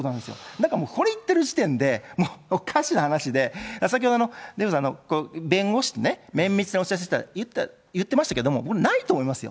だからもう、これ言ってる時点でもうおかしな話で、先ほど、デーブさん、弁護士とね、綿密に打合せしてって言ってましたけど、ないと思いますよ。